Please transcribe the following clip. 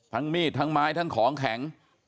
มีดทั้งไม้ทั้งของแข็ง